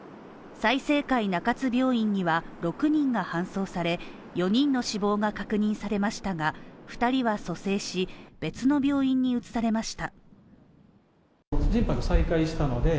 済生会中津病院には６人が搬送され、４人の死亡が確認されましたが、２人は蘇生し、別の病院に移されました。